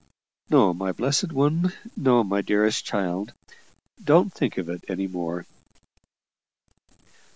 "No, my blessed one no, my dearest child! Don't think of it any more."